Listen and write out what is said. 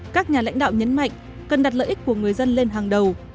các nhà lãnh đạo nhấn mạnh cần đặt lợi ích của người dân lên hàng đầu